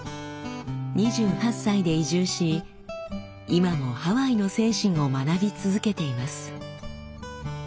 ２８歳で移住し今もハワイの精神を学び続けています。